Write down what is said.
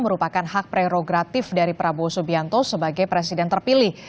merupakan hak prerogatif dari prabowo subianto sebagai presiden terpilih